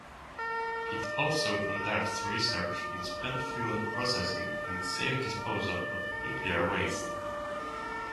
It also conducts research in spent fuel processing, and safe disposal of nuclear waste.